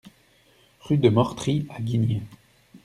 Rue de Mortry à Guignes